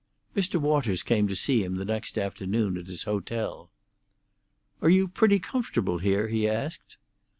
Mr. Waters came to see him the next afternoon at his hotel. "Are you pretty comfortable here?" he asked.